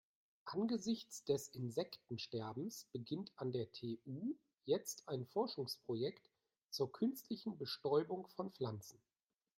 Angesichts des Insektensterbens beginnt an der TU jetzt ein Forschungsprojekt zur künstlichen Bestäubung von Pflanzen.